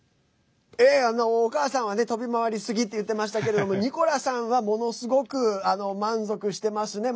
お母さんは飛び回りすぎって言ってましたけどニコラさんはものすごく満足してますね。